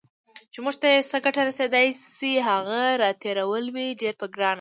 چې موږ ته یې څه ګټه رسېدای شي، هغه راتېرول وي ډیر په ګرانه